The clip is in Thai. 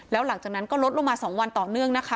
แล้วหลังจากนั้นก็ลดลงมา๒วันต่อเนื่องนะคะ